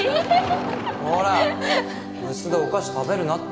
こら部室でお菓子食べるなって